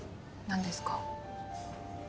何ですか？